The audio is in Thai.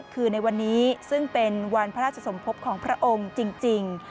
คือในวันนี้ซึ่งเป็นวันพระราชสมภพของพระองค์จริง